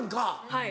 はい。